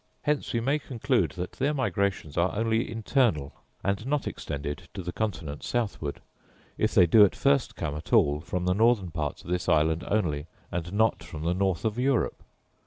Hence we may conclude that their migrations are only internal, and not extended to the continent southward, if they do at first come at all from the northern parts of this island only, and not from the north of Europe.